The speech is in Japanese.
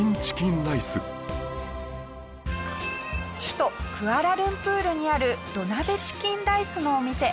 首都クアラルンプールにある土鍋チキンライスのお店。